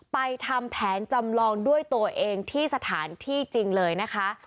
ทำแผนจำลองด้วยตัวเองที่สถานที่จริงเลยนะคะ